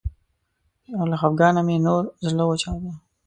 له خفګانه مې نور زړه وچاوده